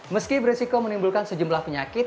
meski beresiko menimbulkan sejumlah penyakit